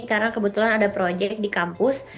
karena kebetulan ada project di kampus